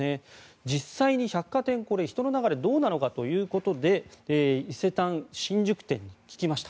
実際に百貨店、人の流れはどうなのかということで伊勢丹新宿店に聞きました。